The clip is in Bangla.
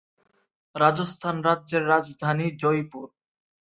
রাজস্থান রাজ্যের রাজধানী জয়পুর।